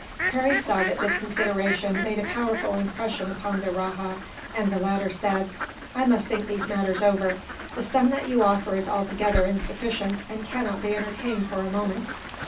Harry saw that this consideration made a powerful impression upon the rajah, and the latter said: "I must think these matters over. The sum that you offer is altogether insufficient, and cannot be entertained for a moment.